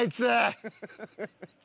ハハハハ。